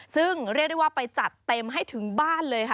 ซึ่งเรียกได้ว่าไปจัดเต็มให้ถึงบ้านเลยค่ะ